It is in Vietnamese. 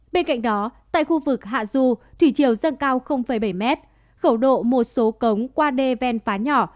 bên cạnh đó tại khu vực hạ du thủy chiều dâng cao bảy m khẩu độ một số cống qua đê ven phá nhỏ